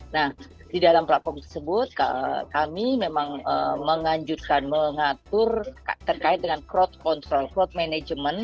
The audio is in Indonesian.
nah di dalam platform tersebut kami memang menganjurkan mengatur terkait dengan crowd control crowd management